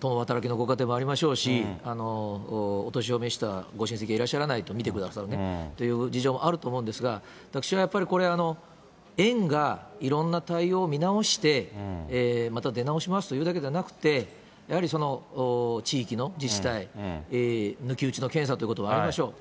共働きのご家庭もありましょうし、お年を召したご親戚がいらっしゃらない、見てくださる方がという事情もあると思うんですが、私はやっぱりこれ、園がいろんな対応を見直して、また出直しますというだけでなくて、やはり地域の自治体、抜き打ちの検査ということもありましょう。